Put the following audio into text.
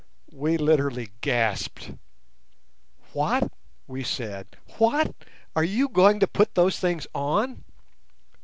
We literally gasped. "What!" we said, "what! Are you going to put those things on?"